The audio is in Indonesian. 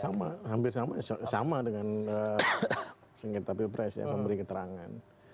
sama hampir sama sama dengan singketapi press ya memberi keterangan